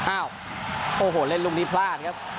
อ้าวโอ้โหเล่นลูกนี้พลาดครับ